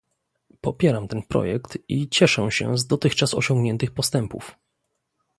Popieram ten projekt i cieszę się z dotychczas osiągniętych postępów